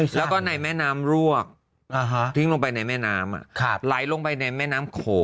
แล้วก็ในแม่น้ำรวกทิ้งลงไปในแม่น้ำไหลลงไปในแม่น้ำโขง